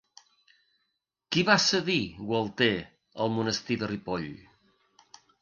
Qui va cedir Gualter al monestir de Ripoll?